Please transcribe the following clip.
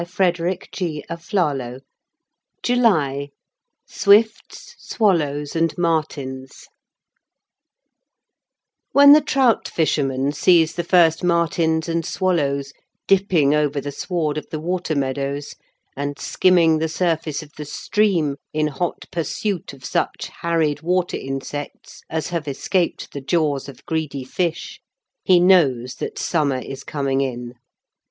JULY SWIFTS, SWALLOWS AND MARTINS SWIFTS, SWALLOWS AND MARTINS When the trout fisherman sees the first martins and swallows dipping over the sward of the water meadows and skimming the surface of the stream in hot pursuit of such harried water insects as have escaped the jaws of greedy fish, he knows that summer is coming in.